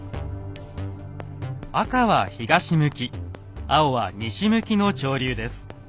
赤は東向き青は西向きの潮流です。